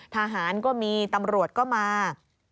ทหารก็มีตำรวจก็มา